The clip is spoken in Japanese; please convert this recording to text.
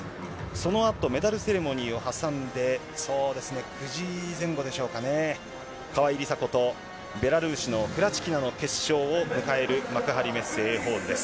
そのあとメダルセレモニーを挟んで、そうですね、９時前後でしょうかね、川井梨紗子とベラルーシのクラチキナの決勝を迎える幕張メッセＡホールです。